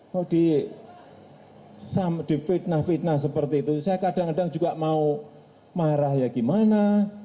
kalau di fitnah fitnah seperti itu saya kadang kadang juga mau marah ya gimana